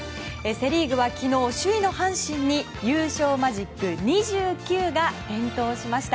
セ・リーグは昨日首位の阪神に優勝マジック２９が点灯しました。